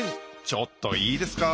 ちょっといいですか？